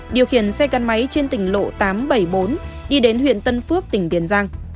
điều khiển xe gắn máy trên tỉnh lộ tám trăm bảy mươi bốn đi đến huyện tân phước tỉnh tiền giang